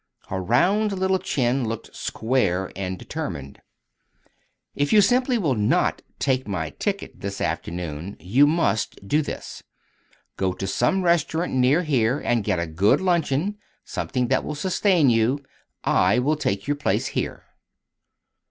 Her round little chin looked square and determined. "If you simply will not take my ticket this afternoon, you must do this. Go to some restaurant near here and get a good luncheon something that will sustain you. I will take your place here."